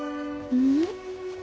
うん？